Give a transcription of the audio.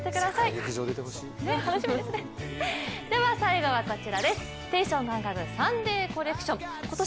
最後はこちらです